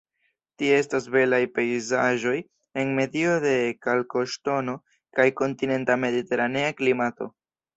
Tie estas belaj pejzaĝoj en medio de kalkoŝtono kaj kontinenta-mediteranea klimato.